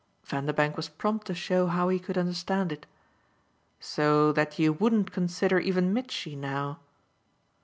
Vanderbank was prompt to show how he could understand it. "So that you wouldn't consider even Mitchy now?"